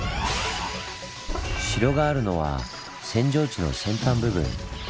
城があるのは扇状地の扇端部分。